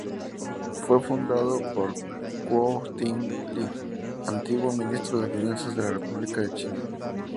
Fue fundado por Kwoh-Ting Li, antiguo Ministro de Finanzas de la República de China.